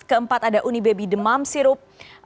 keempat ada unibaby demam sirup